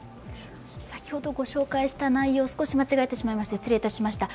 先ほどご紹介した内容、少し間違えてしまいまして失礼いたしました。